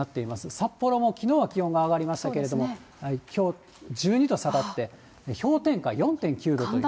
札幌もきのうは気温が上がりましたけれども、きょう１２度下がって、氷点下４．９度という。